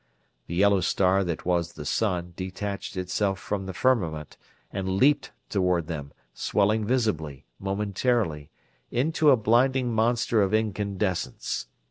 The yellow star that was the sun detached itself from the firmament and leaped toward them, swelling visibly, momentarily, into a blinding monster of incandescence.